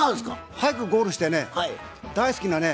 早くゴールしてね大好きなね